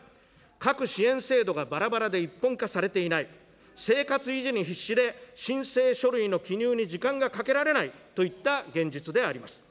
各支援制度がばらばらで一本化されていない、生活維持に必死で申請書類の記入に時間がかけられないといった現実であります。